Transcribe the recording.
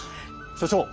所長